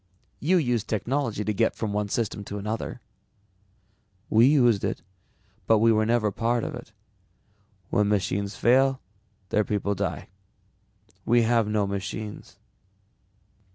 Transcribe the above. "You used technology to get from one system to another." "We used it, but we were never part of it. When machines fail, their people die. We have no machines."